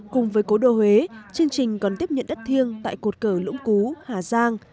cùng với cố đô huế chương trình còn tiếp nhận đất thiêng tại cột cờ lũng cú hà giang